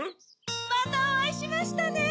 またおあいしましたね！